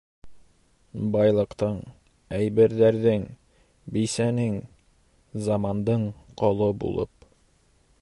Байлыҡтың, әйберҙәрҙең, бисәнең, замандың ҡоло булып.